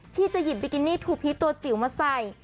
ที่จะหยิบบิกินี่ทูพีชตัวจิ๋วมาใส่